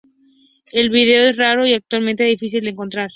El video es raro y actualmente difícil de encontrar.